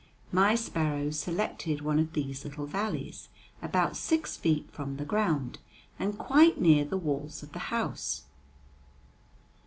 My sparrow selected one of these little valleys about six feet from the ground, and quite near the walls of the house.